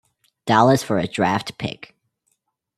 Dallas for a draft pick.